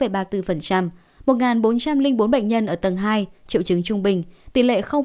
một bốn trăm linh bốn bệnh nhân ở tầng hai triệu chứng trung bình tỷ lệ năm mươi ba